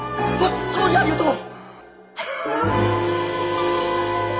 本当にありがとう！